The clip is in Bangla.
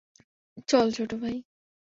চল, ছোট ভাই।